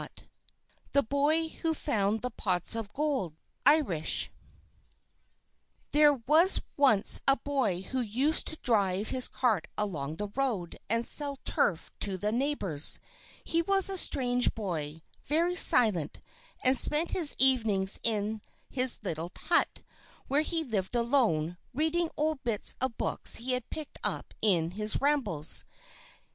_ THE BOY WHO FOUND THE POTS OF GOLD From Ireland There was once a poor boy who used to drive his cart along the road, and sell turf to the neighbours. He was a strange boy, very silent, and spent his evenings in his little hut, where he lived alone, reading old bits of books he had picked up in his rambles.